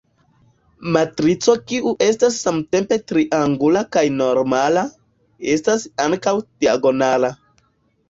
Matrico kiu estas samtempe triangula kaj normala, estas ankaŭ diagonala.